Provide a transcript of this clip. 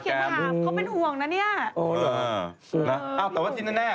เขาเป็นห่วงนะเนี่ยเออเหรอนะเออ